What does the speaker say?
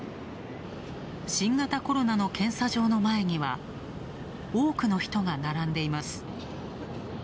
新型コロナの検査場の前には、多くの人が並んでいます。